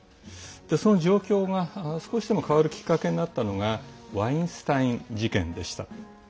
その状況が少しでも変わるきっかけになったのがワインスタイン事件でした。